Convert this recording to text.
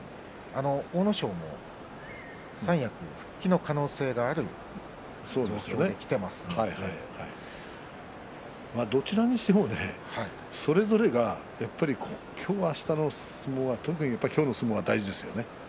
阿武咲も三役復帰の可能性がある状況にきていますのでどちらにしてもそれぞれが今日、あしたの相撲は特に今日の相撲が大事ですよね。